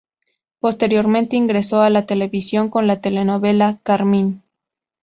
Posteriormente ingresó a la televisión con la telenovela "Carmín".